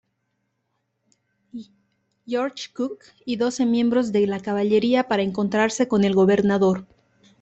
George Cooke y doce miembros de la caballería para encontrarse con el gobernador.